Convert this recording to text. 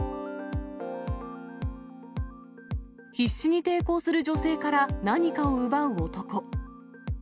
必死に抵抗する女性から何かを奪う男。